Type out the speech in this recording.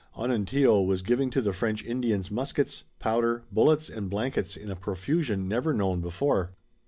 Onontio was giving to the French Indians muskets, powder, bullets and blankets in a profusion never known before.